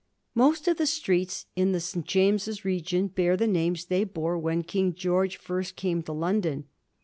Most of the streets in the St. James's region bear the names they bore when King George first came to London.